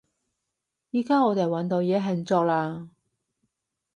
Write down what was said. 依加我哋搵到嘢慶祝喇！